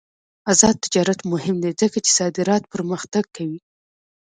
آزاد تجارت مهم دی ځکه چې صادرات پرمختګ کوي.